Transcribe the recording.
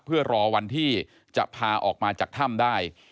เพื่อรอวันที่จะพาออกมาจากถ้ำได้